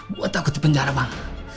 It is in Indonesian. gue takut dipenjara bang